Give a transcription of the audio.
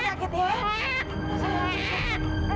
dia hadir nya datang ya